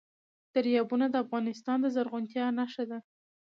دریابونه د افغانستان د زرغونتیا نښه ده.